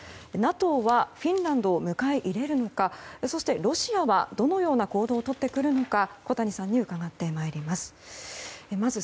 ＮＡＴＯはフィンランドを迎え入れるのかそして、ロシアはどのような行動をとってくるのか小谷さんに伺ってまいります。